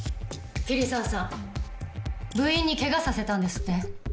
桐沢さん部員に怪我させたんですって？